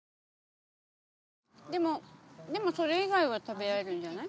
でもでもそれ以外は食べられるんじゃない？